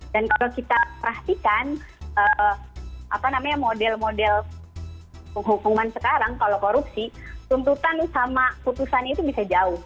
dan kalau kita perhatikan model model penghukuman sekarang kalau korupsi tuntutan sama putusan itu bisa jauh